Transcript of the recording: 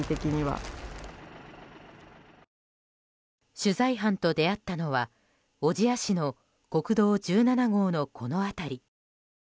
取材班と出会ったのは小千谷市の国道１７号のこの辺り。